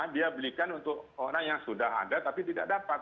dia belikan untuk orang yang sudah ada tapi tidak dapat